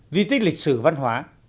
di tích lịch sử văn hóa